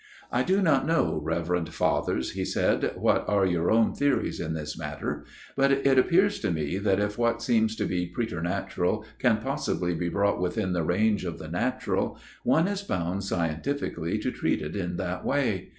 " I do not know, Reverend Fathers," he said, " what are your own theories in this matter ; but it appears to me that if what seems to be preternatural can possibly be brought within the range of the natural, one is bound scientifically to treat it in that way.